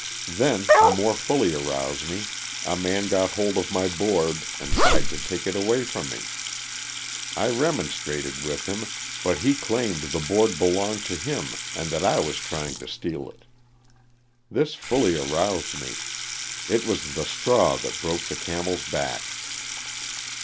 Then, to more fully arouse me, a man got hold of my board and tried to take it away from me. I remonstrated with him, but he claimed the board belonged to him and that I was trying to steal it. This fully aroused me — it was the straw that broke the camel's back.